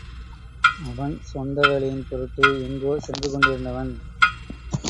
அவன் சொந்த வேலையின் பொருட்டு எங்கோ சென்று கொண்டிருந்தவன்.